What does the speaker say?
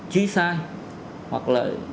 chi sai hoặc là